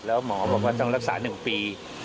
แล้วหมอบอกว่าต้องรักษา๑ปี